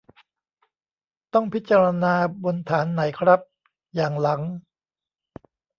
ต้องพิจารณาบนฐานไหนครับ อย่างหลัง ?